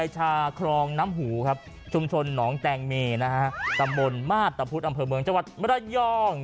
ชุมชนหนองแตงเมย์บางบุญธระพุทธธรรมชาติเมืองมระยอง